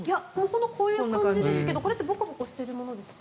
こういう感じですけどこれってボコボコしてるものですか？